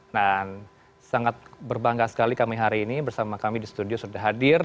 sangat berbangga sekali kami hari ini bersama kami di studio sudah hadir